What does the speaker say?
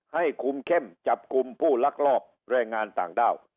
ให้คุมเข้มจับกลุ่มผู้ลักลอบแรงงานต่างด้าว